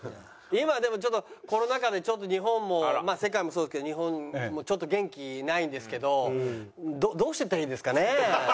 今でもちょっとコロナ禍でちょっと日本も世界もそうですけど日本もちょっと元気ないんですけどどうしていったらいいんですかね？